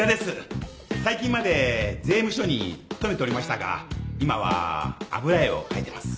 最近まで税務署に勤めておりましたが今は油絵を描いてます。